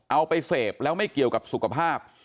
เอาไปเสพแล้วไม่เกี่ยวกับสุขภาพ